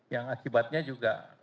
yang akibatnya juga